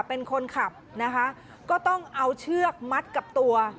เป็นคนขับนะคะก็ต้องเอาเชือกมัดกับตัว